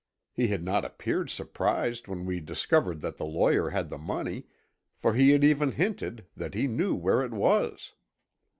He had not appeared surprised when we discovered that the lawyer had the money, for he had even hinted that he knew where it was.